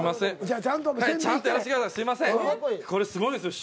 これすごいんすよ。